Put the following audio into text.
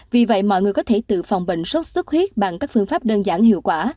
vì vậy mọi người có thể tự phòng bệnh sốt xuất huyết bằng các phương pháp đơn giản hiệu quả